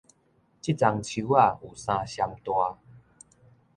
這欉樹仔有三尋大